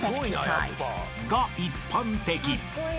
［が一般的］